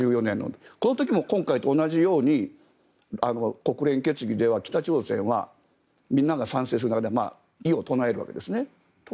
この時も今回と同じように国連決議では北朝鮮はみんなが賛成する中で異を唱えるわけですね。